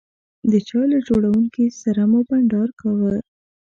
د چای له جوړونکي سره مو بانډار کاوه.